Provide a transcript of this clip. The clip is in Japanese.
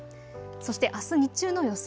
そしてあす日中の予想